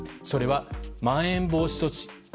それはまん延防止措置